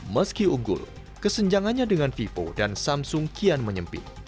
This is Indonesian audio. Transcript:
meski unggul kesenjangannya dengan vivo dan samsung kian menyempit